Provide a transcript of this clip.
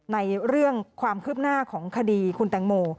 ในเรื่องความคืบหน้าของคดีคุณแตงโม